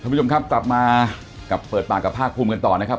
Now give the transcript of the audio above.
ผู้ชมครับกลับมากับเปิดปากกับภาคภูมิกันต่อนะครับ